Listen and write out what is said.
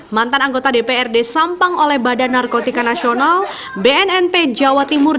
mantan anggota dprd sampang oleh badan narkotika nasional bnnp jawa timur